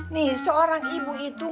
nih seorang ibu itu